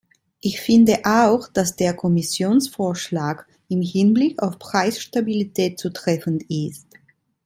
Ich finde auch, dass der Kommissionsvorschlag im Hinblick auf Preisstabilität zutreffend ist.